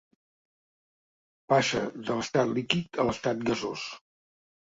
Passa de l'estat líquid a l'estat gasós.